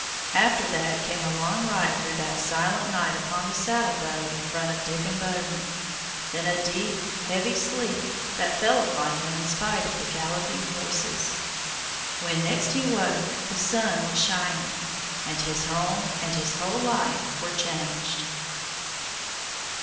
After that came a long ride through that silent night upon the saddle bow in front of Diccon Bowman; then a deep, heavy sleep, that fell upon him in spite of the galloping of the horses. When next he woke the sun was shining, and his home and his whole life were changed.